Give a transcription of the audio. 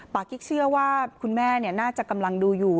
กิ๊กเชื่อว่าคุณแม่น่าจะกำลังดูอยู่